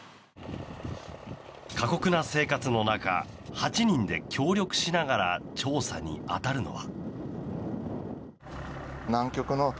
過酷な生活の中８人で協力しながら調査に当たるのは。